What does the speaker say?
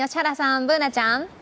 Ｂｏｏｎａちゃん。